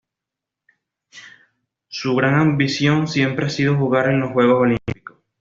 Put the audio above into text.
Su gran ambición siempre ha sido jugar en los Juegos Olímpicos.